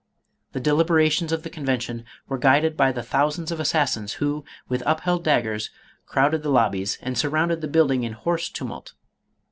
The de liberations of the Convention were guided by the thou 508 MADAME ROLAND. sands of assassins who, with upheld daggers, crowded the lobbies, and surrounded the building in hoarse tu mult.